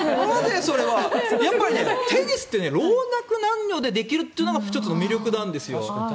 やっぱり、テニスって老若男女でできるのが１つの魅力なんですよ。